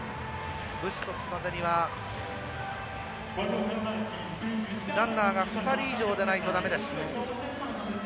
ブストスまでにはランナーが２人以上出ないと駄目です。